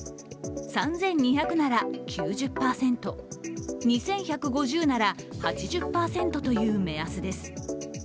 ３２００なら９０％、２１５０なら８０％という目安です。